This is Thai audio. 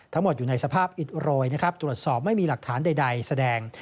ทั้งหมดอยู่ในสภาพอิดโรยนะครับตรวจสอบไม่มีหลักฐานใดแสดง